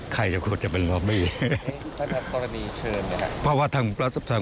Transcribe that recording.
ใครจากใครนะครับ